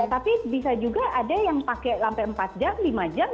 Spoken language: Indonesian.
tapi bisa juga ada yang pakai sampai empat jam lima jam